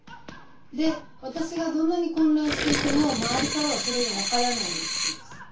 で私がどんなに混乱していても周りからはそれが分からないわけです。